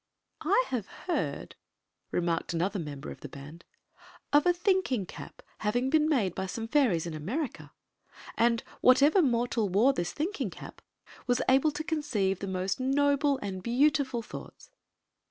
I have heard," remarked another member of the band, " of a thinking cap having been made by some fairies in America. And whatever mortal wore this thinking cap was able to conceive the most noble and beautiful thoughts."